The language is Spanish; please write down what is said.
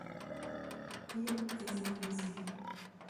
Elegir es difícil.